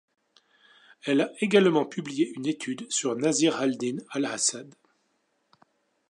Elle a également publié une étude sur Nâsir ad-Dîn al-'Asad.